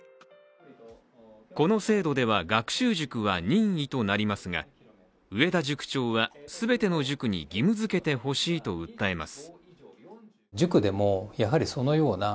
この制度では学習塾は任意となりますが植田塾長は、全ての塾に義務づけてほしいと訴えます。